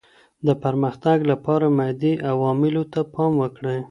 د پرمختګ لپاره مادي عواملو ته پام وکړئ.